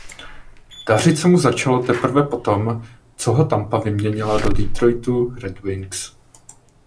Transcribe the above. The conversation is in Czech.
Dařit se mu začalo teprve potom co ho Tampa vyměnila do Detroitu Red Wings.